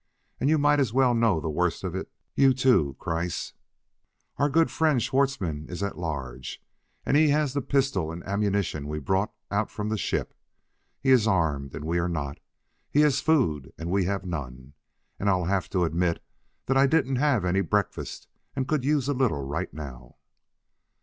And you might as well know the worst of it; you, too, Kreiss. "Our good friend, Schwartzmann, is at large, and he has the pistol and ammunition we brought out from the ship. He is armed, and we are not; he has food, and we have none. And I'll have to admit that I didn't have any breakfast and could use a little right now."